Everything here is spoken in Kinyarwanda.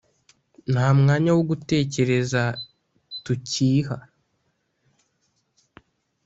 nta mwanya wo gutekereza tukiha